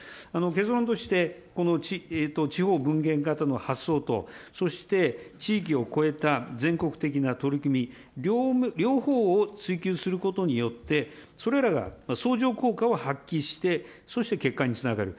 結論として、この地方分権型の発想と、そして地域を超えた全国的な取り組み、両方を追求することによって、それらが相乗効果を発揮して、そして結果につながる。